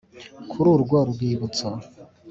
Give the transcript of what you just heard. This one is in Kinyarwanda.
kuri urwo rwibutso,